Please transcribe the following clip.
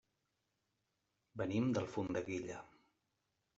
Venim d'Alfondeguilla.